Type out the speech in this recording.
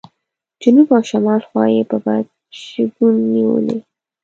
جنوب او شمال خوا یې په بد شګون نیولې.